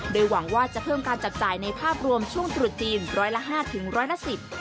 โดยหวังว่าจะเพิ่มการจับจ่ายในภาพรวมช่วงตรุษจีนร้อยละห้าถึงร้อยละสิบ